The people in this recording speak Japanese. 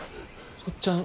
おっちゃん